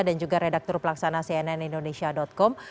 dan juga redaktor pelaksana cnn indonesia com